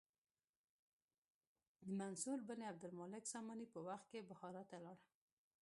د منصور بن عبدالمالک ساماني په وخت کې بخارا ته لاړ.